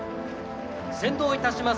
先導いたします